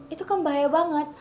itu kan bahaya banget